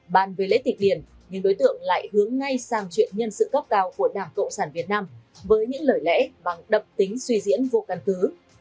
bàn về lễ tịch điền những đối tượng lại hướng ngay sang chuyện nhân sự cấp cao của đảng cộng sản việt nam với những lời lẽ bằng đập tính suy diễn vô căn cứ